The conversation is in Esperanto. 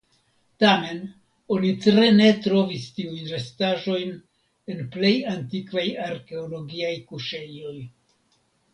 Tamen oni ne trovis tiujn restaĵojn en plej antikvaj arkeologiaj kuŝejoj.